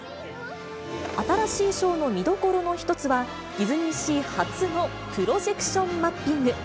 新しいショーの見どころの一つは、ディズニーシー初のプロジェクションマッピング。